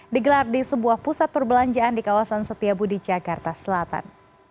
digelar di sebuah pusat perbelanjaan di kawasan setiabudi jakarta selatan